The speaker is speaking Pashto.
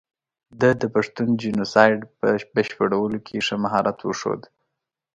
ده د پښتون جینو سایډ په بشپړولو کې ښه مهارت وښود.